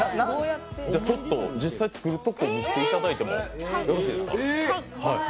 実際、作るところを見せていただいてもよろしいですか。